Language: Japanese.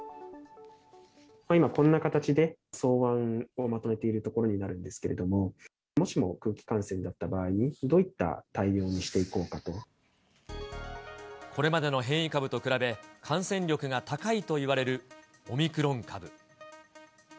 今こんな形で草案をまとめているところになるんですけども、もしも空気感染だった場合、これまでの変異株と比べ、感染力が高いといわれるオミクロン株。